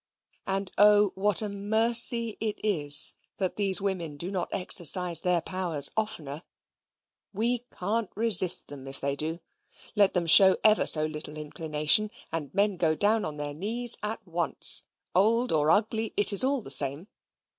And oh, what a mercy it is that these women do not exercise their powers oftener! We can't resist them, if they do. Let them show ever so little inclination, and men go down on their knees at once: old or ugly, it is all the same.